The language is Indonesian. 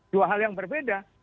dua hal yang berbeda